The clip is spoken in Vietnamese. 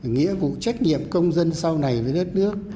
nghĩa vụ trách nhiệm công dân sau này với đất nước